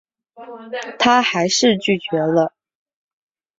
她还是拒绝了